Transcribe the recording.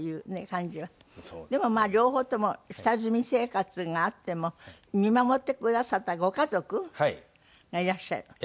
でもまあ両方とも下積み生活があっても見守ってくださったご家族がいらっしゃる。